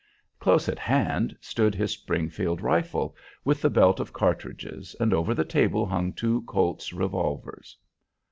Close at hand stood his Springfield rifle, with the belt of cartridges, and over the table hung two Colt's revolvers.